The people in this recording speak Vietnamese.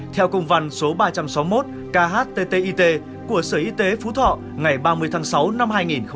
theo công văn số ba trăm sáu mươi một khttit của sở y tế phú thọ ngày ba mươi tháng sáu năm hai nghìn một mươi chín